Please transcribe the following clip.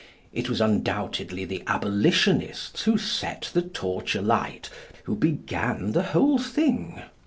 It was, undoubtedly, the Abolitionists who set the torch alight, who began the whole thing.